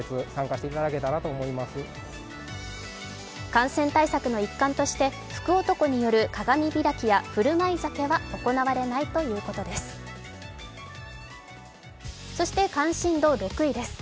感染対策の一環として福男による鏡開きや振る舞い酒は行われないということです。